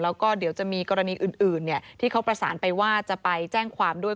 แล้วก็เดี๋ยวจะมีกรณีอื่นที่เขาประสานไปว่าจะไปแจ้งความด้วย